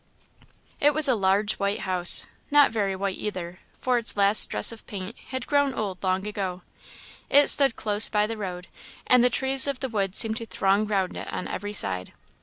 It was a large white house; not very white either, for its last dress of paint had grown old long ago. It stood close by the road, and the trees of the wood seemed to throng round it on every side.